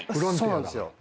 そうなんですよ。